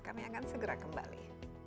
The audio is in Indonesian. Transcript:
kami akan segera kembali